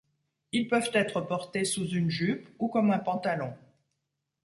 Ils peuvent être portés sous une jupe ou comme un pantalon.